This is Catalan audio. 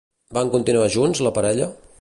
Van continuar junts la parella?